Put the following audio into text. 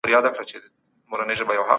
د غوښې کم استعمال روغتیا ته ګټه لري.